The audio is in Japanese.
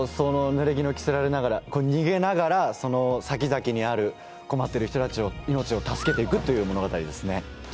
ぬれ衣を着せられながら、これ、逃げながら、その先々にある、困ってる人たちを、命を助けていくという物語ですね。